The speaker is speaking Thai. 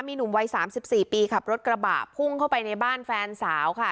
มีหนุ่มวัย๓๔ปีขับรถกระบะพุ่งเข้าไปในบ้านแฟนสาวค่ะ